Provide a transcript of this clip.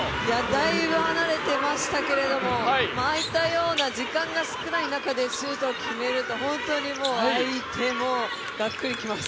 だいぶ離れていましたけれどもああいったような時間が少ない中でシュートを決めると本当にもう、相手もうがっくりきます。